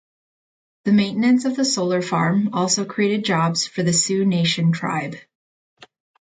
The maintenance of the solar farm also created jobs for the Sioux Nation Tribe.